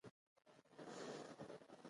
موزیک د هنري ښکلا لوړه کچه ده.